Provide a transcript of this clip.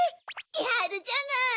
やるじゃない！